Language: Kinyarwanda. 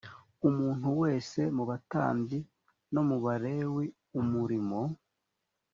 umuntu wese mu batambyi no mu balewi umurimo